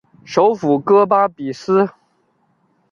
首府戈巴比斯。